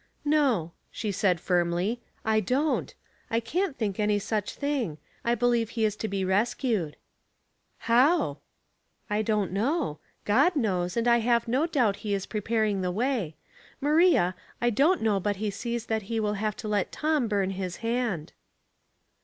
"No," she said, firmly, "I don't. I can't think any such thing. 1 believe he is to be res cued." How?" " I don,t know ; God knows, and T have no doubt is preparing the way. Maria, I don't know but he sees that he will have to let Tom burn his hand."